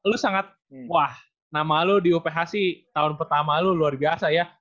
lu sangat wah nama lo di uph sih tahun pertama lo luar biasa ya